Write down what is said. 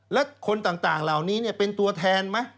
แล้วคนต่างเหล่านี้เป็นตัวแทนไหม